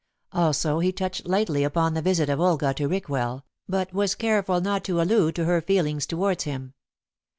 Also he touched lightly upon the visit of Olga to Rickwell, but was careful not to allude to her feelings towards him.